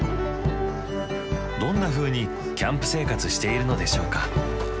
どんなふうにキャンプ生活しているのでしょうか？